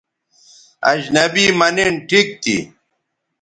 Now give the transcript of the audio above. اجنبی مہ نِن ٹھیک تھی